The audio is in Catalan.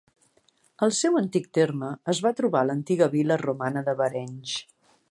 Al seu antic terme es va trobar l'antiga vil·la romana de Barenys.